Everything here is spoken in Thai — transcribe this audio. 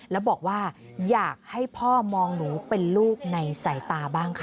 แล้วบอกว่าอยากให้พ่อมองหนูเป็นลูกในสายตาบ้างค่ะ